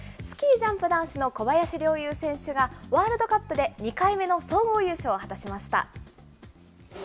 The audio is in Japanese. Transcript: スキージャンプ男子の小林陵侑選手が、ワールドカップで２回目の総合優勝を果たしました。